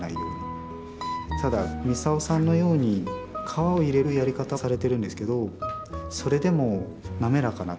ただミサオさんのように皮を入れるやり方されてるんですけどそれでも滑らかな。